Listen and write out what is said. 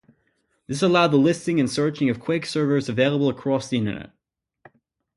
This allowed the listing and searching of Quake servers available across the Internet.